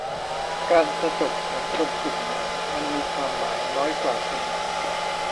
การประจบของคนกลุ่มหนึ่งมันมีความหมายน้อยกว่าคนหนึ่ง